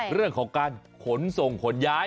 เรื่องของการขนส่งขนย้าย